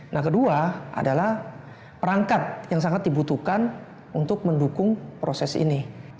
nah kedua adalah perangkat yang sangat dibutuhkan untuk mendukung proses ini